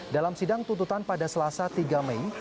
dalam sidang tuntutan pada selasa tiga mei